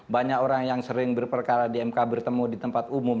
banyak orang yang sering berperkara di mk bertemu di tempat umum